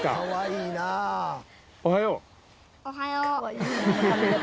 おはよう。